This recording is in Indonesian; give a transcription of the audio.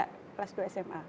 kelas dua sma